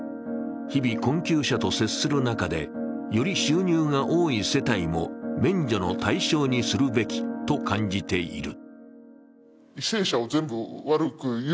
日々、困窮者と接する中で、より収入が多い世帯も免除の対象にするべきと感じている。